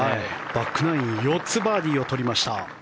バックナインで４つのバーディーをとりました。